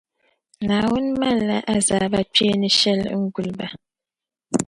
Naawuni malila azaaba kpeeni shili n-guli ba.